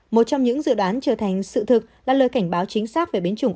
một trong những dự đoán trở thành sự thực là lời cảnh báo chính xác về biến chủng